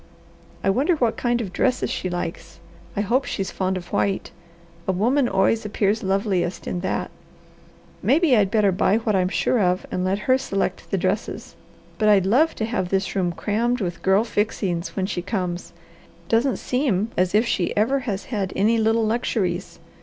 I wonder what kind of dresses she likes. I hope she's fond of white. A woman always appears loveliest in that. Maybe I'd better buy what I'm sure of and let her select the dresses. But I'd love to have this room crammed with girl fixings when she comes. Doesn't seem as if she ever has had any little luxuries.